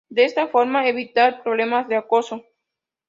de esta forma evitar problemas de acoso